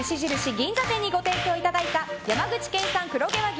銀座店にご提供いただいた山口県産黒毛和牛